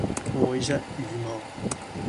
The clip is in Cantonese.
愛惜羽毛